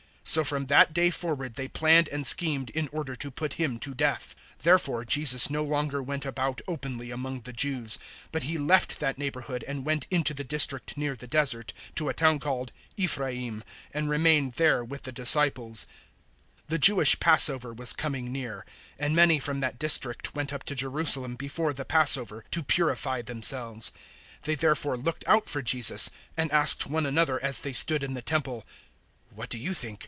011:053 So from that day forward they planned and schemed in order to put Him to death. 011:054 Therefore Jesus no longer went about openly among the Jews, but He left that neighbourhood and went into the district near the Desert, to a town called Ephraim, and remained there with the disciples. 011:055 The Jewish Passover was coming near, and many from that district went up to Jerusalem before the Passover, to purify themselves. 011:056 They therefore looked out for Jesus, and asked one another as they stood in the Temple, "What do you think?